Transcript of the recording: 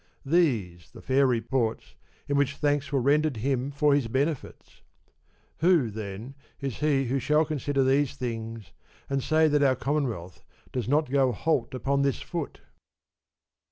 These the fair reports in which thanks were rendered him for his benefits ! Who, then, is he who shall consider these things and say that our Commonwealth doth not go halt upon this foot